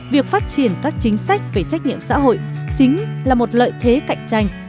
việc phát triển các chính sách về trách nhiệm xã hội chính là một lợi thế cạnh tranh